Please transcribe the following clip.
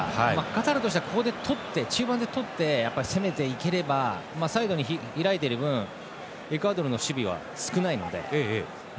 カタールとしては中盤でとって攻めていければサイドに開いている分エクアドルの守備は少ないので。